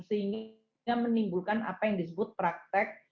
sehingga menimbulkan apa yang disebut praktek